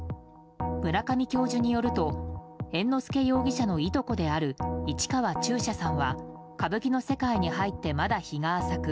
村上教授によると猿之助容疑者のいとこである市川中車さんは、歌舞伎の世界に入ってまだ日が浅く